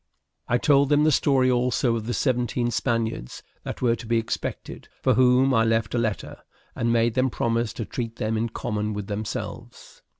I told them the story also of the seventeen Spaniards that were to be expected, for whom I left a letter, and made them promise to treat them in common with themselves.